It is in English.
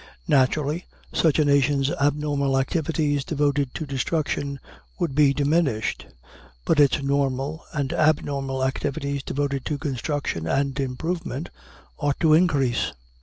Naturally, such a nation's abnormal activities devoted to destruction would be diminished; but its normal and abnormal activities devoted to construction and improvement ought to increase.